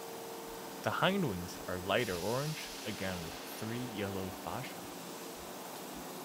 The hindwings are lighter orange, again with three yellow fascia.